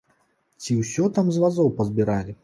Ці ўсё там з вазоў пазбіралі?